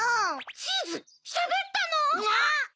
チーズしゃべったの⁉あっ！